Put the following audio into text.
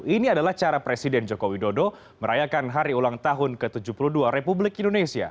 ini adalah cara presiden joko widodo merayakan hari ulang tahun ke tujuh puluh dua republik indonesia